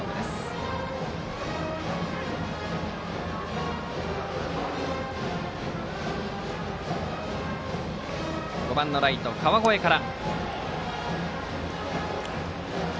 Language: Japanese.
バッターは５番ライト、川越から。